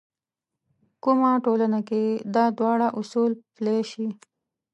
کومه ټولنه کې دا دواړه اصول پلي شي.